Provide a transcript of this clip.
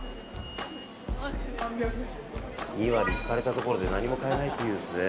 ２割引かれたところで何も買えないというですね。